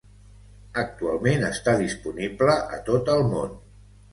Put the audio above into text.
Actualment està disponible a tot el món.